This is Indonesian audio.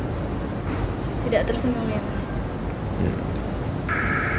tidak tersenyum ya mas